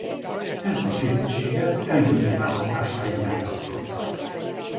Ezt a tisztséget elnökké választásáig megtartotta.